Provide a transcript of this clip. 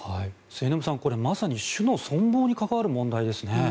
末延さん、まさに種の存亡に関わる問題ですね。